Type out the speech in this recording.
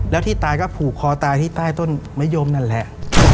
แล้วที่ตายก็ผูกคอตายที่ใต้ต้นมะยมนั่นแหละ